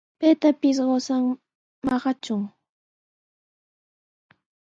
Paytapis qusan maqachun.